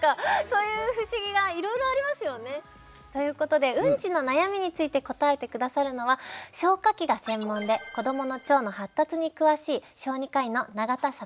そういう不思議がいろいろありますよね。ということでウンチの悩みについて答えて下さるのは消化器が専門で子どもの腸の発達に詳しいそして